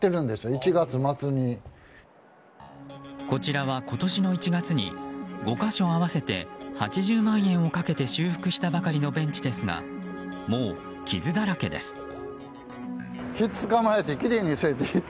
こちらは今年の１月に５か所合わせて８０万円をかけて修復したばかりのベンチですがもう傷だらけです。